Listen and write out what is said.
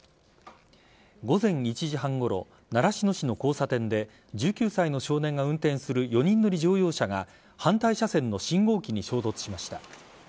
午前１時半ごろ習志野市の交差点で１９歳の少年が運転する４人乗り乗用車が反対車線の信号機に衝突しました。